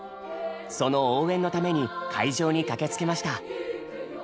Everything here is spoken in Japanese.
その応援のために会場に駆けつけました。